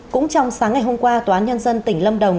cũng trong sáng ngày hôm qua tòa án nhân dân tỉnh lâm đồng